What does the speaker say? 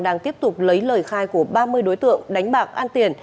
đang tiếp tục lấy lời khai của ba mươi đối tượng đánh bạc ăn tiền